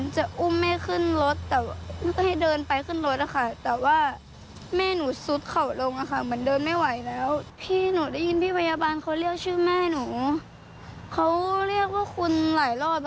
ใช่นะครับ